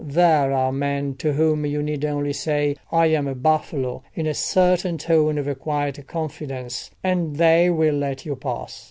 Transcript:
There are men to whom you need only say, "I am a buffalo," in a certain tone of quiet confidence, and they will let you pass.